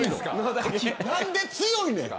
何で強いねん。